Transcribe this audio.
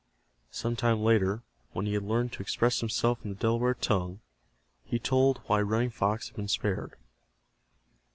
Some time later, when he had learned to express himself in the Delaware tongue, he told why Running Fox had been spared.